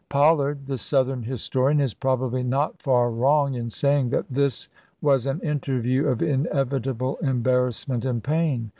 Pollard, the Southern historian, is probably not far wrong in saying that this " was an interview of inevitable embarrassment and pain.